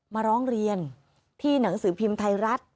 มาร้องเรียนที่หนังสือพิมพ์ไทยรัฐ